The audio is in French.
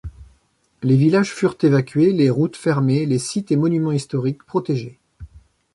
Les villages furent évacués, les routes fermées, les sites et monuments historiques protégés.